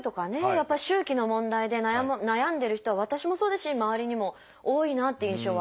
やっぱり周期の問題で悩んでる人は私もそうですし周りにも多いなっていう印象はありますね。